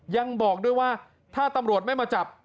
ยังบอกด้วยว่าถ้าตำรวจไม่มาจับ